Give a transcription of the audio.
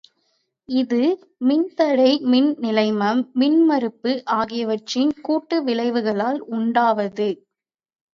இது மின்தடை, மின்நிலைமம், மின்மறுப்பு ஆகியவற்றின் கூட்டு விளைவுகளால் உண்டாவது.